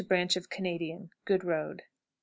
Branch of Canadian. Good road. 17 1/2.